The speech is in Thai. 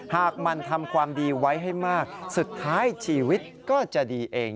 หากมันทำความดีไว้ให้มากสุดท้ายชีวิตก็จะดีเอง